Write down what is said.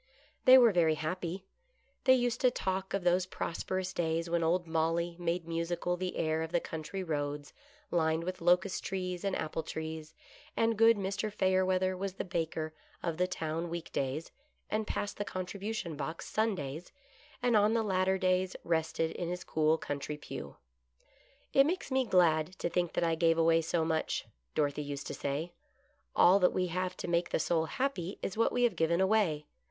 They were very happy. They used to talk of those prosperous days when old " Molly " made musical the air of the country roads lined with locust trees and apple trees, and good Mr. Fayerweather was the baker of the town week days and passed the contribution box Sundays, and on the latter days rested in his cool country pew. "It makes me glad to think that I gave away so much," Dorothy used to say. " All that we have to make the soul happy is what we have given away.